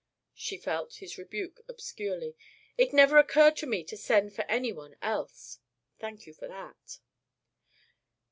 She felt his rebuke obscurely. "It never occurred to me to send for any one else." "Thank you for that."